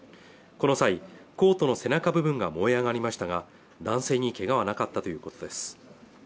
この際コートの背中部分が燃え上がりましたが男性にけがはなかったということです